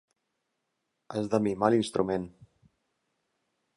Has de mimar l'instrument.